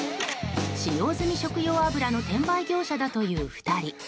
使用済みの食用油の転売業者だという２人。